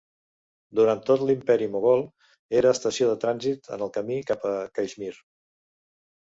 Durant tot l'Imperi Mogol era estació de trànsit en el camí cap a Caixmir.